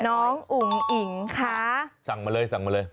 ออกมาเลย